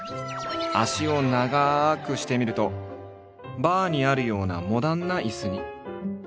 脚を長くしてみるとバーにあるようなモダンな椅子に。